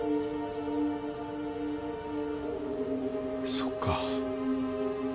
そっか。